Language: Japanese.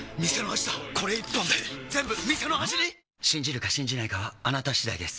信じるか信じないかはあなた次第です